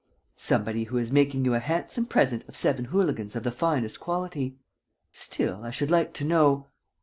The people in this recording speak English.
"Somebody who is making you a handsome present of seven hooligans of the finest quality." "Still, I should like to know.